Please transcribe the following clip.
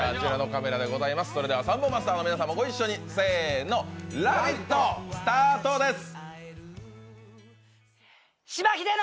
それではサンボマスターの皆さんもご一緒に、せーの、「ラヴィット！」スタートです。